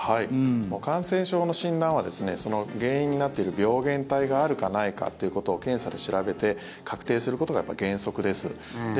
感染症の診断は原因になっている病原体があるか、ないかということを検査で調べて確定することが原則です。